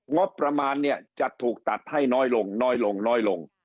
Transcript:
งบประมาณจะถูกตัดให้น้อยลง